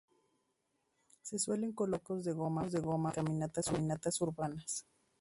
Se suelen colocar tacos de goma para las caminatas urbanas.